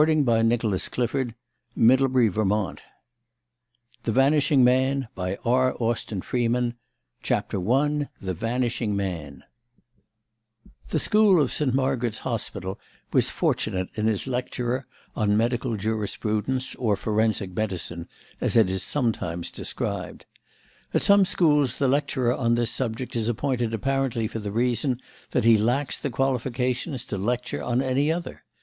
XVII THE ACCUSING FINGER XVIII JOHN BELLINGHAM XIX A STRANGE SYMPOSIUM XX THE END OF THE CASE CHAPTER I THE VANISHING MAN The school of St. Margaret's Hospital was fortunate in its lecturer on Medical Jurisprudence, or Forensic Medicine, as it is sometimes described. At some schools the lecturer on this subject is appointed apparently for the reason that he lacks the qualifications to lecture on any other.